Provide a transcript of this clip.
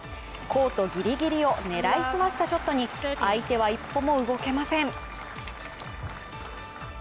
コートギリギリを狙い済ましたショットに、相手は一歩も動けません。